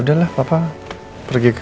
di situ ma